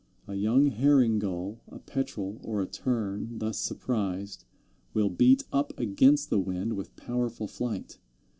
A young Herring Gull, a Petrel, or a Tern thus surprised will beat up against the wind with powerful flight.